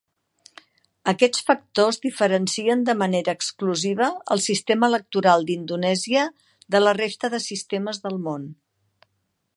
Aquests factors diferencien de manera exclusiva el sistema electoral d'Indonèsia de la resta de sistemes del món.